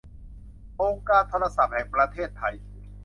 องค์การโทรศัพท์แห่งประเทศไทย